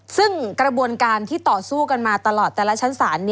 ซึ่งกระบวนการที่ต่อสู้กันมาตลอดแต่ละชั้นศาล